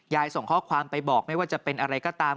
ส่งข้อความไปบอกไม่ว่าจะเป็นอะไรก็ตาม